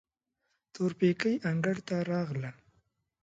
تورپيکۍ انګړ ته راغله.